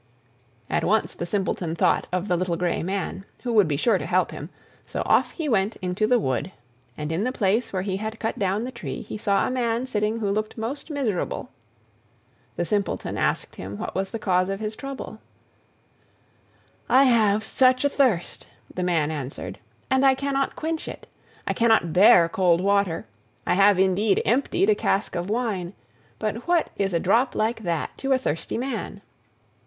At once the Simpleton thought of the little grey man, who would be sure to help him, so off he went into the wood, and in the place where he had cut down the tree he saw a man sitting who looked most miserable. The Simpleton asked him what was the cause of his trouble. "I have such a thirst," the man answered, "and I cannot quench it. I cannot bear cold water. I have indeed emptied a cask of wine, but what is a drop like that to a thirsty man?"